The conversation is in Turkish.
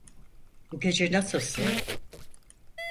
Bu gece nasılsın?